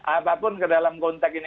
apapun ke dalam konteks ini